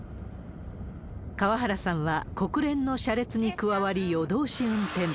川原さんは国連の車列に加わり夜通し運転。